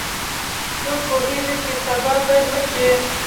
څوک پوهیږي چې سبا به څه وشي